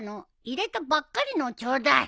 入れたばっかりのをちょうだい。